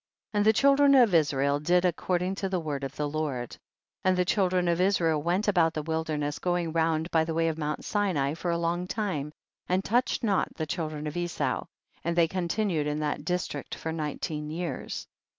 7. And the children of Israel did according to the word of the Lord. 8. And the children of Israel went about the wilderness, going round by the way of Mount Sinai for a long time, and touched not the children of Esau, and they continued in that district for nineteen years.